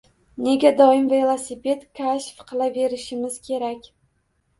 Nega doim velosiped kashf qilaverishimiz kerak?